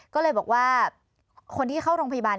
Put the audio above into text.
ก็เลยบอกว่าคนที่เข้าโรงพยาบาล